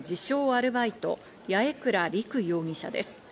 アルバイト・八重倉陸容疑者です。